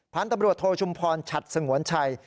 พันธุ์ตำรวจโทชุมพรฉัดสงวนชัย